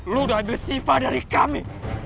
lu udah ambil sifat dari kami